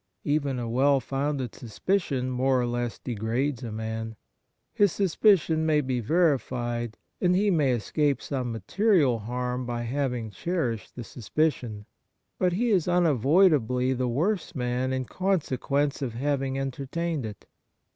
Even a well founded suspicion Kind Thouo^hts 6i more or less degrades a man. His sus picion may be verified, and he may escape some material harm by having cherished the suspicion. But he is unavoidably the worse man in consequence of having enter tained it.